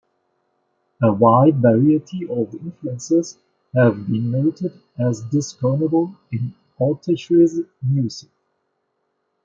A wide variety of influences have been noted as discernible in Autechre's music.